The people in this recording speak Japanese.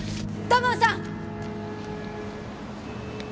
土門さん！